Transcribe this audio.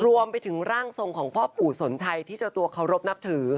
รวมไปถึงร่างทรงของพ่อปู่สนชัยที่เจ้าตัวเคารพนับถือ